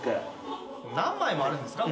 何枚もあるんですか？